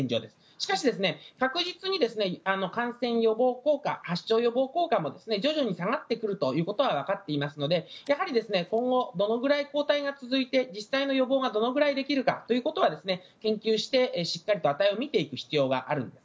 しかし、確実に感染予防効果発症予防効果も徐々に下がってくることがわかっていますのでやはり今後どのぐらい抗体が続いて実際の予防がどれぐらいできるかということは、研究してしっかり値を見ていく必要があります。